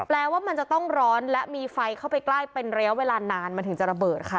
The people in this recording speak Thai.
แปลว่ามันจะต้องร้อนและมีไฟเข้าไปใกล้เป็นระยะเวลานานมันถึงจะระเบิดค่ะ